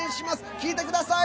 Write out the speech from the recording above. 聞いてください！